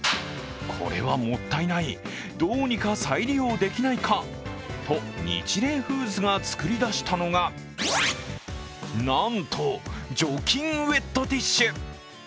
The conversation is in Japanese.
これはもったいない、どうにか再利用できないかとニチレイフーズが作り出したのがなんと、除菌ウエットティッシュ！